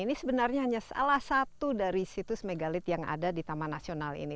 ini sebenarnya hanya salah satu dari situs megalit yang ada di taman nasional ini